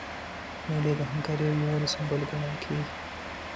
مېلې د همکارۍ او یووالي سمبول ګڼل کېږي.